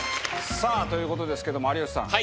さあということですけども有吉さん。